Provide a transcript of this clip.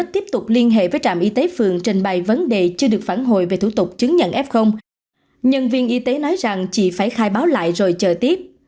trên bài vấn đề chưa được phản hồi về thủ tục chứng nhận f nhân viên y tế nói rằng chỉ phải khai báo lại rồi chờ tiếp